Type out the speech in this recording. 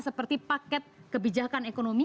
seperti paket kebijakan ekonomi